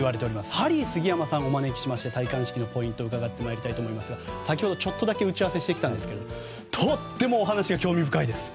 ハリー杉山さんをお招きしまして戴冠式のポイントを伺ってまいりたいと思いますが先ほどちょっとだけ打ち合わせしてきたんですがとてもお話が興味深いです。